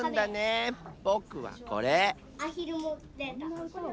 ぼくはこれ。